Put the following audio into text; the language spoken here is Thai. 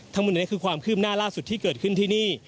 ทั้งหมดนี้คือความคืบหน้าล่าสุดที่เกิดขึ้นที่นี่